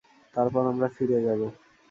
তারপর আমরা ফিরে যাব।